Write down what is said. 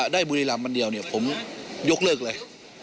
ได้บุรีรัมน์มันเดียวผมยกเลิกเลย